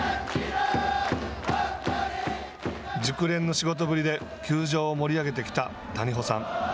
熟練の仕事ぶりで球場を盛り上げてきた谷保さん。